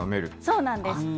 そうなんです。